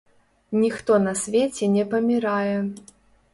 Ніхто на свеце не памірае.